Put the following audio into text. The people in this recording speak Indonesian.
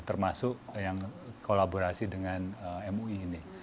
termasuk yang kolaborasi dengan mui ini